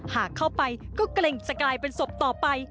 หากเข้าไปก็เกรงจะกลายเป็นศพต่อไป